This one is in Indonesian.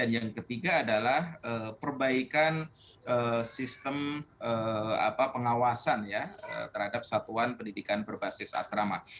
yang ketiga adalah perbaikan sistem pengawasan terhadap satuan pendidikan berbasis asrama